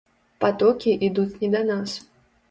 Патокі ідуць не да нас.